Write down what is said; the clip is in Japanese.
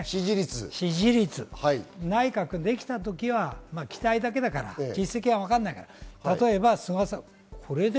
支持率、内閣できた時は期待だけだから実績は分からないから、例えば菅さん。